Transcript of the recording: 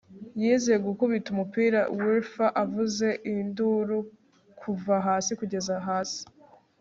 yize gukubita umupira wiffle avuza induru kuva hasi kugeza hasi